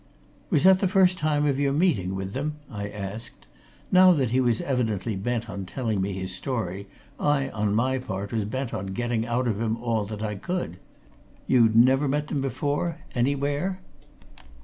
"Was that the first time of your meeting with them?" I asked. Now that he was evidently bent on telling me his story, I, on my part, was bent on getting out of him all that I could. "You'd never met them before anywhere?"